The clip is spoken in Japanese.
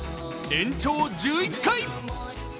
延長１１回。